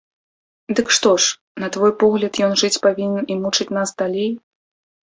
Дык што ж, на твой погляд, ён жыць павінен і мучыць нас далей!